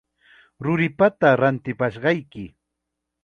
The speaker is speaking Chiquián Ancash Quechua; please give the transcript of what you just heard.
Ruripata ratipashqayki.